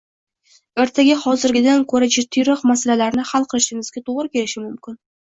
ertaga hozirgidan ko‘ra jiddiyroq masalalarni hal qilishimizga to‘g‘ri kelishi mumkin